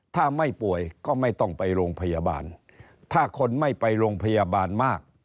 ถ้าไม่ป่วยก็ไม่ต้องไปโรงพยาบาลถ้าคนไม่ไปโรงพยาบาลมาก